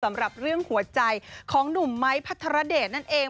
สำหรับเรื่องหัวใจของหนุ่มไม้พัทรเดชนั่นเอง